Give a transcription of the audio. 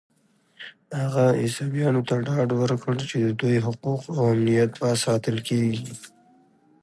هغه عیسویانو ته ډاډ ورکړ چې د دوی حقوق او امنیت به ساتل کېږي.